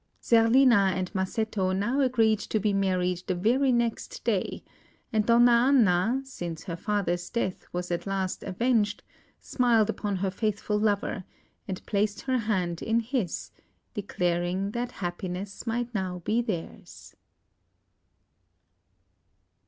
Zerlina and Masetto now agreed to be married the very next day; and Donna Anna, since her father's death was at last avenged, smiled upon her faithful lover, and placed her hand in his, declaring that happiness might now be theirs.